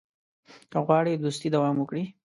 که غواړې دوستي دوام وکړي.